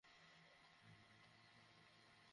শুধু একবার দেখেই চলে আসবো।